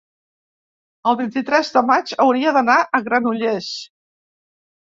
el vint-i-tres de maig hauria d'anar a Granollers.